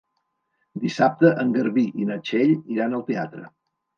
Dissabte en Garbí i na Txell iran al teatre.